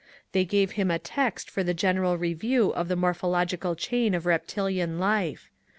They gave him a text for a general review of the morphological chain of reptilian life.